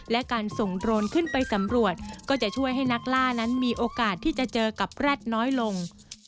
และการส่งโดรนขึ้นไปสำรวจก็จะช่วยให้นักล่านั้นมีโอกาสที่จะเจอกับแร็ดน้อยลง